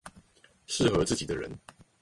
適合自己的人